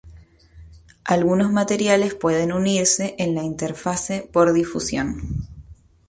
Algunos materiales pueden unirse en la interfase por difusión.